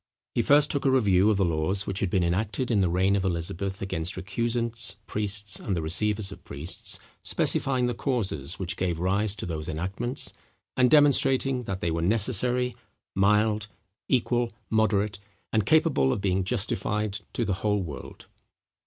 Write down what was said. He first took a review of the laws which had been enacted in the reign of Elizabeth against recusants, priests, and the receivers of priests, specifying the causes which gave rise to those enactments, and demonstrating that they were necessary, mild, equal, moderate, and capable of being justified to the whole world.